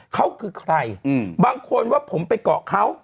เขาคือใครบางคนว่าผมไปเกาะเขา